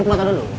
tutup mata dulu